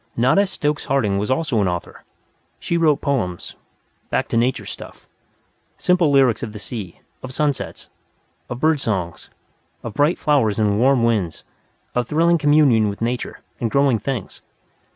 Nada Stokes Harding was also an author. She wrote poems "back to nature stuff" simple lyrics of the sea, of sunsets, of bird songs, of bright flowers and warm winds, of thrilling communion with Nature, and growing things.